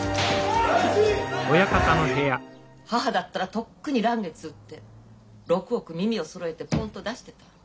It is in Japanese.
母だったらとっくに嵐月売って６億耳をそろえてポンと出してた。